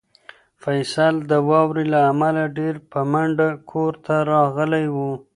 فیصل د واورې له امله ډېر په منډه کور ته راغلی و.